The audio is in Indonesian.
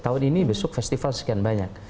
tahun ini besuk festival sekian banyak